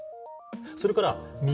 それから耳。